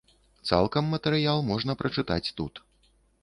Цалкам матэрыял можна прачытаць тут.